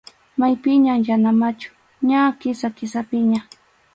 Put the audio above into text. Maypiñam yana machu, ña Kisa-Kisapiña.